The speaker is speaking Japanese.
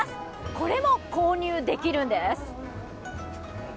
これも、購入できるんです。